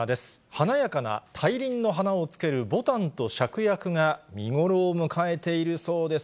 華やかな大輪の花をつけるぼたんとしゃくやくが見頃を迎えているそうです。